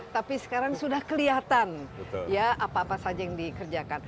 tapi sekarang sudah kelihatan ya apa apa saja yang dikerjakan